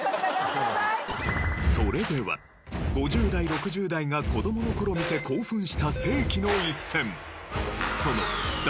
それでは５０代６０代が子どもの頃見て興奮した世紀の一戦。